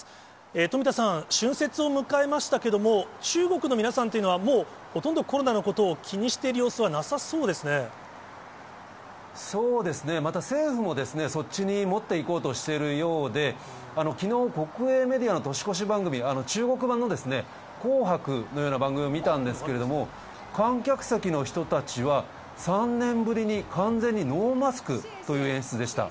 富田さん、春節を迎えましたけども、中国の皆さんというのは、もうほとんどコロナのことを気にそうですね、また、政府もですね、そっちに持っていこうとしているようで、きのう、国営メディアの年越し番組、中国版の紅白のような番組を見たんですけれども、観客席の人たちは、３年ぶりに、完全にノーマスクという演出でした。